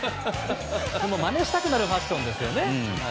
まねしたくなるファッションですよね。